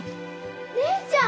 姉ちゃん！